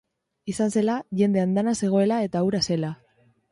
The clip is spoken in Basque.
Izan zela, jende andana zegoela eta hura zela.